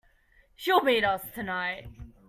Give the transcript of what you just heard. She'll meet us tonight.